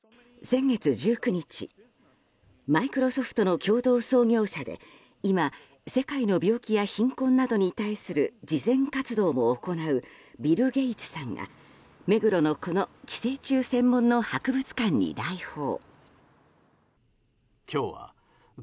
先月１９日マイクロソフトの共同創業者で今、世界の病気や貧困などに対する慈善活動も行うビル・ゲイツさんが目黒のこの寄生虫専門の博物館に来訪。